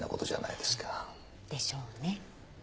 でしょうね。